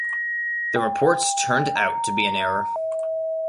The reports turned out to be in error.